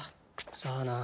さあな。